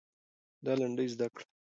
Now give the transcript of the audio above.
دا لنډۍ زده کړه.